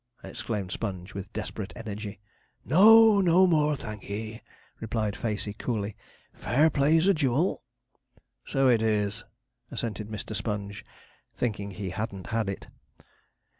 exclaimed Sponge, with desperate energy. 'No! no more, thank ye,' replied Facey coolly. 'Fair play's a jewel.' 'So it is,' assented Mr. Sponge, thinking he hadn't had it.